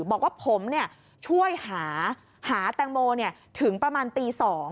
บอกว่าผมช่วยหาแตงโมถึงประมาณตี๒